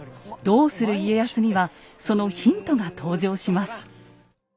「どうする家康」にはそのヒントが登場します。